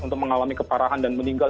untuk mengalami keparahan dan meninggal